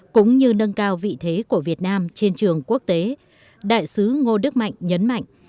cũng như nâng cao vị thế của việt nam trên trường quốc tế đại sứ ngô đức mạnh nhấn mạnh